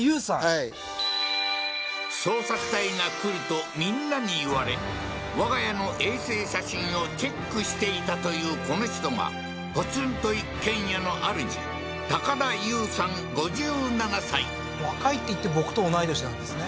はい捜索隊が来るとみんなに言われ我が家の衛星写真をチェックしていたというこの人がポツンと一軒家のあるじ若いっていって僕と同い年なんですね